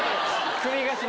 首が。